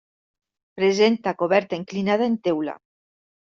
Presenta coberta inclinada en teula.